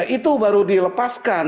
itu baru dilepaskan